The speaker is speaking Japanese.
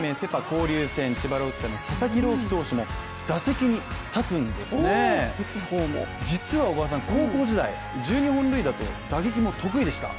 交流戦千葉ロッテの佐々木朗希投手も打席に立つんですね、打つ方も、高校時代、１２本塁打と打撃も得意でした。